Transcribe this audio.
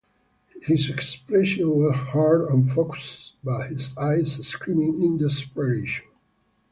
His expression was hard and focused, but his eyes screamed in desperation.